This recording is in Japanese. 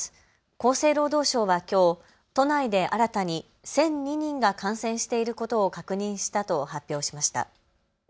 厚生労働省はきょう都内で新たに１００２人が感染していることを確認したと発表しました。